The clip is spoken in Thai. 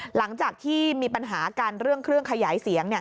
หลังจากที่มีปัญหากันเรื่องเครื่องขยายเสียง